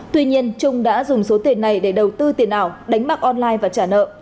tuy nhiên trung đã dùng số tiền này để đầu tư tiền ảo đánh bạc online và trả nợ